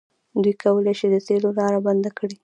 دوی کولی شي د تیلو لاره بنده کړي.